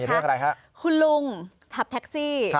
เรื่องอะไรฮะคุณลุงขับแท็กซี่